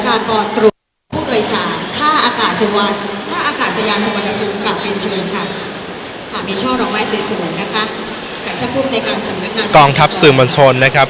แต่ถ้าพวกในการสำนักงานต้องทับสื่อมนตรส่วนนะครับ